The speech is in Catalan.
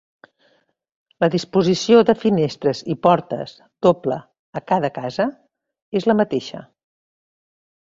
La disposició de finestres i portes, doble a cada casa, és la mateixa.